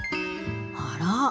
あら？